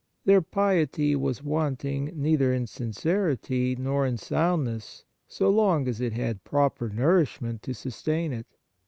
Their piety was wanting neither in sincerity nor in soundness so long as it had proper nourishment to sustain it.